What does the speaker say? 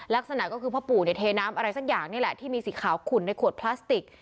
ลักษณะก็คือพ่อปู่เนี่ยเทน้ำอะไรสักอย่างนี่แหละที่มีสีขาวขุ่นในขวดพลาสติก